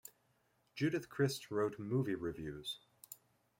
Judith Crist wrote movie reviews.